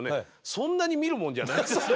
そんなに見るもんじゃないですね。